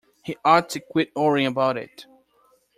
He ought to quit worrying about it.